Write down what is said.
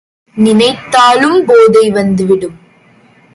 நினைத்தாலும் போதை வந்துவிடும்.